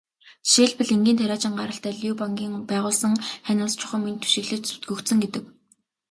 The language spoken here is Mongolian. Жишээлбэл, энгийн тариачин гаралтай Лю Бангийн байгуулсан Хань улс чухам энд түшиглэж зөвтгөгдсөн гэдэг.